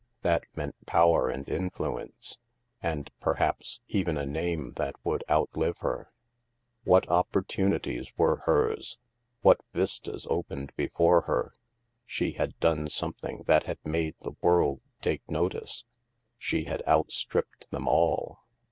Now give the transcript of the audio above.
That meant power and influence and, perhaps, even a name that would out live her. What opportunities were hers! What vistas opened before her ! She had done something that had made the world take notice. She had out stripped them all.